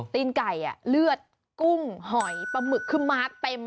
ตีนไก่เลือดกุ้งหอยปลาหมึกคือมาเต็ม